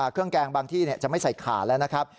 แกงบางที่จะไม่ใส่ขาดแล้วนะครับ